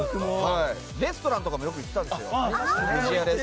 レストランとかもよく行っていたんですよ。